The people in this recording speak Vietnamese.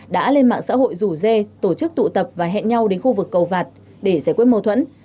đã lên mạng xã hội rủ dê tổ chức tụ tập và hẹn nhau đến khu vực cầu vạt để giải quyết mâu thuẫn